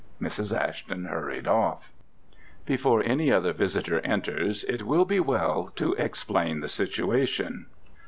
Mrs. Ashton hurried off. Before any other visitor enters, it will be well to explain the situation.